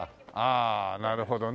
ああなるほどね。